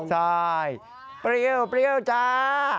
ใช่เปรี้ยวเปรี้ยวจ้า